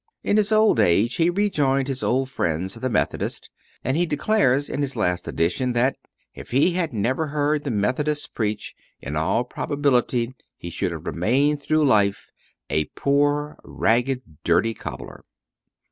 In his old age he rejoined his old friends the Methodists, and he declares in his last edition that, if he had never heard the Methodists preach, in all probability he should have remained through life "a poor, ragged, dirty cobbler."